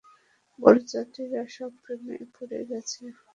বরযাত্রীরা সব প্রেমে পড়ে গেছে।